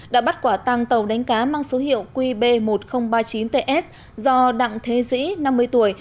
đã bắt quả tăng tàu đánh cá mang số hiệu qb một nghìn ba mươi chín ts do đặng thế dĩ năm mươi tuổi